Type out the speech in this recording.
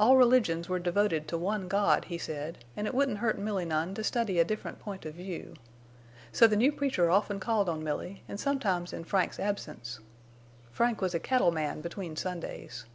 All religions were devoted to one God, he said, an' it wouldn't hurt Milly none to study a different point of view. So the new preacher often called on Milly, an' sometimes in Frank's absence. Frank was a cattle man between Sundays.